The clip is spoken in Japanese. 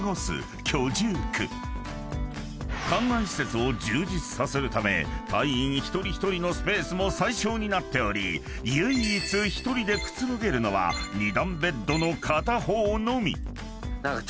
［艦内施設を充実させるため隊員一人一人のスペースも最小になっており唯一１人でくつろげるのは２段ベッドの片方のみ］